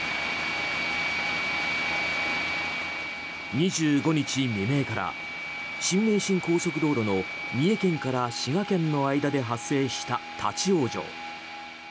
２５日未明から新名神高速道路の三重県から滋賀県の間で発生した立ち往生。